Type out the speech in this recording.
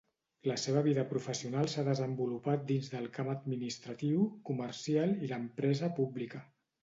La seva vida professional s’ha desenvolupat dins el camp administratiu, comercial i l'empresa pública.